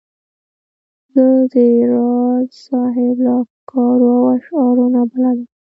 زه د راز صاحب له افکارو او اشعارو نا بلده وم.